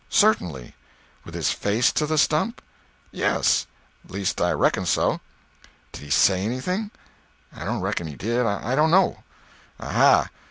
"Certainly." "With his face to the stump?" "Yes. Least I reckon so." "Did he say anything?" "I don't reckon he did. I don't know." "Aha!